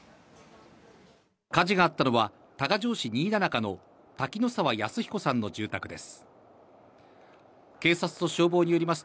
火事があったのは多賀城市新田中の滝野澤康彦さんの住宅です。